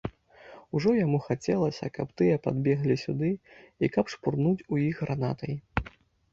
Ужо яму хацелася, каб тыя падбеглі сюды і каб шпурнуць у іх гранатай.